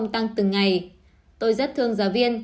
tăng từng ngày tôi rất thương giáo viên